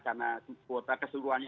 karena kuota keseluruhannya